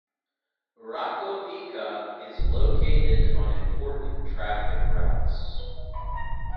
Rakovica is located on important traffic routes.